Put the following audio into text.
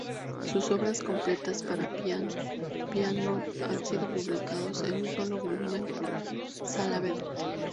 Sus obras completas para piano han sido publicados en un solo volumen, por Salabert.